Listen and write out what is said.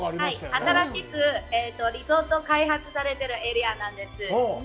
新しくリゾート開発されてるエリアなんです。